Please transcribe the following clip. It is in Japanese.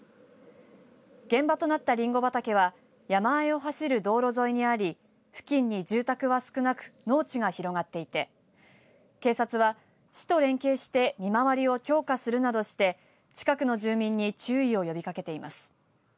現場となったリンゴ畑は山あいを走る道路沿いにあり付近に住宅が少なく農地が広がっていて警察は市と連携して見回りを強化するなどして近くの住民に注意を呼びかけています。